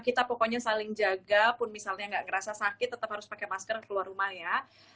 kita pokoknya saling jaga pun misalnya nggak ngerasa sakit tetap harus pakai masker keluar rumah ya